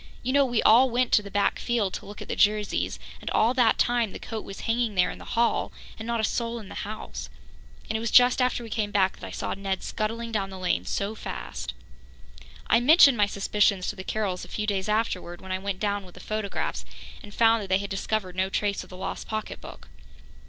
You know, we all went to the back field to look at the Jerseys, and all that time the coat was hanging there in the hall, and not a soul in the house. And it was just after we came back that I saw Ned scuttling down the lane so fast." I mentioned my suspicions to the Carrolls a few days afterwards, when I went down with the photographs, and found that they had discovered no trace of the lost pocketbook.